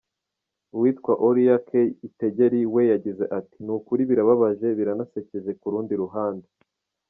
Uwitwa Oria K. Itegeri we yagize ati “Ni ukuri birababaje…biranasekeje ku rundi ruhande.